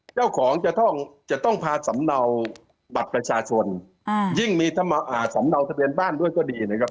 เจ้าของจะต้องจะต้องพาสำเนาบัตรประชาชนยิ่งมีสำเนาทะเบียนบ้านด้วยก็ดีนะครับ